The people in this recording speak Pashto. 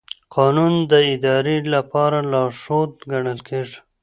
قانون د ادارې لپاره لارښود ګڼل کېږي.